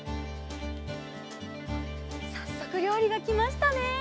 さっそくりょうりがきましたね。